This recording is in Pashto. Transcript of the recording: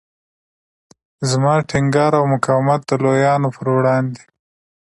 زما ټینګار او مقاومت د لویانو پر وړاندې.